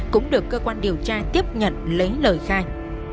cũng được cơ quan điều tra tiếp nhận lấy lời khai